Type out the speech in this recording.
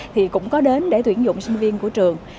thì cũng có đến để tuyển dụng sinh viên của trường